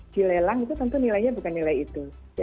dilelang itu tentu nilainya bukan nilai itu